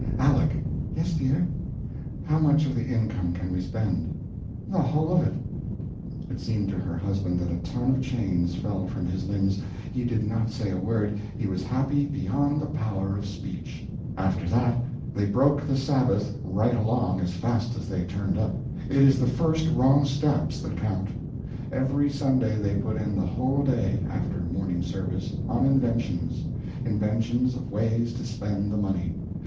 Aleck!" "Yes, dear?" "How much of the income can we spend?" "The whole of it." It seemed to her husband that a ton of chains fell from his limbs. He did not say a word; he was happy beyond the power of speech. After that, they broke the Sabbaths right along as fast as they turned up. It is the first wrong step that counts. Every Sunday they put in the whole day, after morning service, on inventions inventions of ways to spend the money.